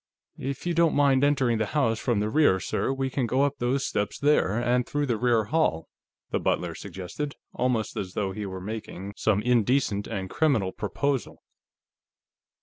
"If you don't mind entering the house from the rear, sir, we can go up those steps, there, and through the rear hall," the butler suggested, almost as though he were making some indecent and criminal proposal.